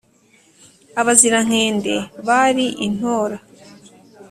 abazirankende bari i ntora